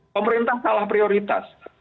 pemerintah salah prioritas